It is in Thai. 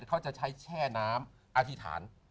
เขาจะใช้แช่น้ำอธิษฐาน